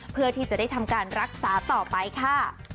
เพื่อที่จะได้ทำการรักษาต่อไปค่ะ